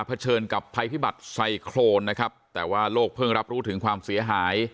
เฉินกับภัยพิบัติไซโครนนะครับแต่ว่าโลกเพิ่งรับรู้ถึงความเสียหาย